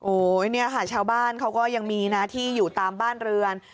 เนี่ยค่ะชาวบ้านเขาก็ยังมีนะที่อยู่ตามบ้านเรือน